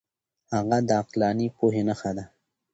هغه د عقلاني پوهې نښه ده.